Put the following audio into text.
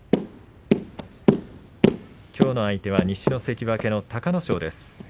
きょうの相手は西の関脇、隆の勝です。